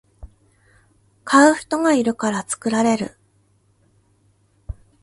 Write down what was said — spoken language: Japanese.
買う人がいるから作られる